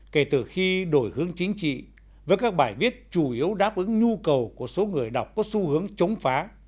kể từ khi đổi hướng chính trị với các bài viết chủ yếu đáp ứng nhu cầu của số người đọc có xu hướng chống phá